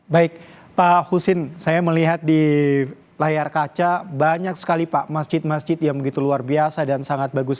baik pak husin saya melihat di layar kaca banyak sekali pak masjid masjid yang begitu luar biasa dan sangat bagus